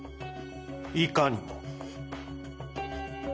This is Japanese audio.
いかにも。